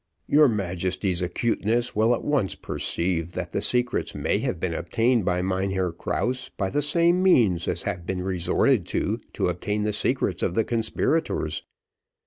"Your Majesty's acuteness will at once perceive that the secrets may have been obtained by Mynheer Krause, by the same means as have been resorted to, to obtain the secrets of the conspirators.